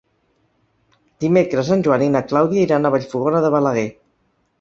Dimecres en Joan i na Clàudia iran a Vallfogona de Balaguer.